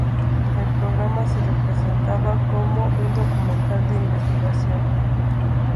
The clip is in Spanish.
El programa se presentaba como un documental de investigación.